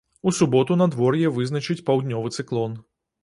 У суботу надвор'е вызначыць паўднёвы цыклон.